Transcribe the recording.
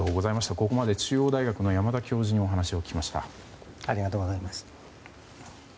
ここまで中央大学の山田教授にありがとうございました。